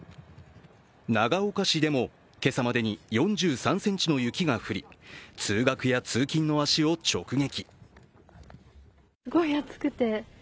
長岡市でも、今朝までに４３ｃｍの雪が降り通学や通勤の足を直撃。